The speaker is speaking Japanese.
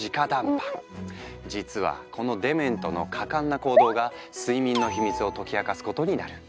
実はこのデメントの果敢な行動が睡眠のヒミツを解き明かすことになる。